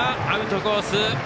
アウトコース